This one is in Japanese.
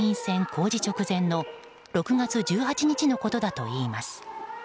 公示直前の６月１８日のことだといいます。